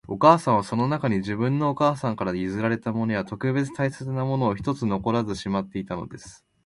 お母さんは、その中に、自分のお母さんから譲られたものや、特別大切なものを一つ残らずしまっていたのです